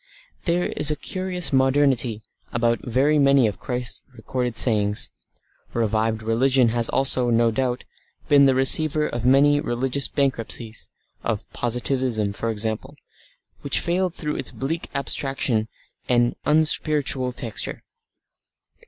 There is a curious modernity about very many of Christ's recorded sayings. Revived religion has also, no doubt, been the receiver of many religious bankruptcies, of Positivism for example, which failed through its bleak abstraction and an unspiritual texture.